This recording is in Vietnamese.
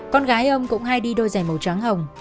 con gái ông cũng hay đi đôi giày màu trắng hồng